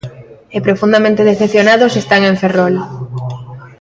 E profundamente decepcionados están en Ferrol.